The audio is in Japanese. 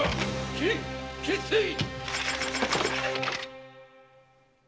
斬れ斬り捨てい！